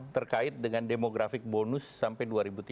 terkait dengan demografik bonus sampai dua ribu tiga puluh